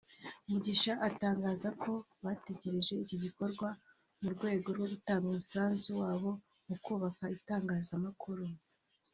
Mugisha atangaza ko batekereje iki gikorwa mu rwego rwo gutanga umusanzu wabo mu kubaka Itangazamakuru